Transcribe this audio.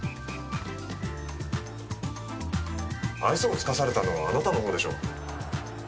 愛想をつかされたのはあなたの方でしょう。